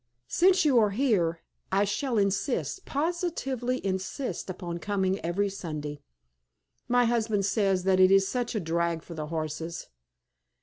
Since you are here, I shall insist, positively insist, upon coming every Sunday. My husband says that it is such a drag for the horses.